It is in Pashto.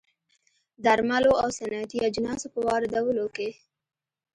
درملو او صنعتي اجناسو په واردولو کې